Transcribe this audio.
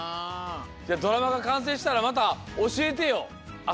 じゃあドラマがかんせいしたらまたおしえてよあさのかいで。